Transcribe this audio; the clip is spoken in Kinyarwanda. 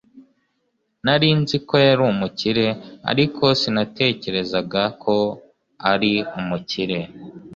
Nari nzi ko yari umukire ariko sinatekerezaga ko yari umukire